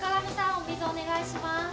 お水お願いします。